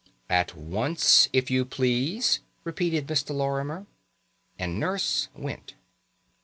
"At once, if you please," repeated Mr. Lorimer. And Nurse went.